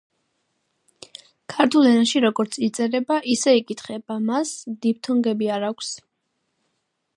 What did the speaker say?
ქართულ ენაში როგორც იწერება, ისე იკითხება, მას დიფთონგები არ აქვს.